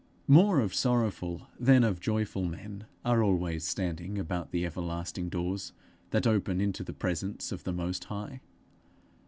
More of sorrowful than of joyful men are always standing about the everlasting doors that open into the presence of the Most High.